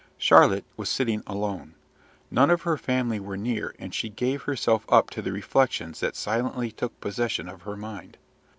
Charlotte was sitting alone. None of her family were near, and she gave herself up to the reflections that silently took possession of her mind.